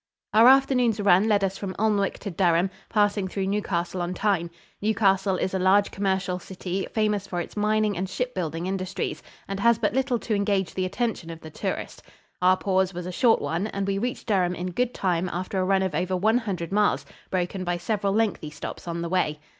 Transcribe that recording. Our afternoon's run led us from Alnwick to Durham, passing through Newcastle on Tyne. Newcastle is a large commercial city, famous for its mining and shipbuilding industries, and has but little to engage the attention of the tourist. Our pause was a short one, and we reached Durham in good time after a run of over one hundred miles, broken by several lengthy stops on the way.